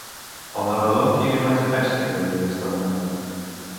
El narrador quina imatge pensa que devien estar donant?